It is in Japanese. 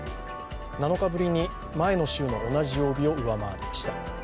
７日ぶりに前の週の同じ曜日を上回りました。